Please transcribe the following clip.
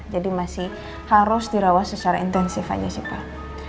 jadi masih harus dirawat secara intensif aja sih pak